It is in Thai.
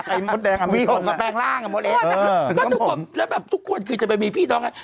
ไอ้มดแดงอัมพิโธมมดแดงล่างมดเล็กแล้วแบบทุกคนคือจะไปมีพี่น้อง